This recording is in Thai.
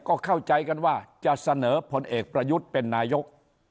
ก็เข้าใจกันว่าจะเสนอผลเอกประยุทธ์เป็นนายก